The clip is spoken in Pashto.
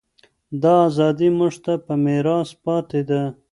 دا ازادي موږ ته په میراث پاتې ده.